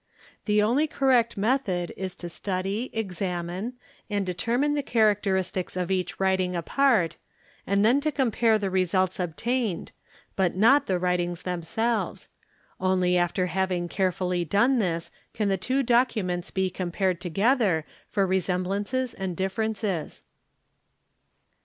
The only correct method is to study, examine, and determine the characteristics of each writing apart and then to compare the results obtained, but not the | writings themselves; only after having carefully done this can the two. documents be compared together for resemblances and differences.